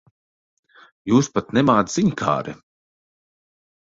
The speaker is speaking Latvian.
Jūs pat nemāc ziņkāre.